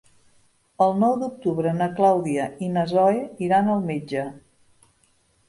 El nou d'octubre na Clàudia i na Zoè iran al metge.